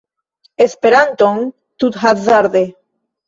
Esperanton tuthazarde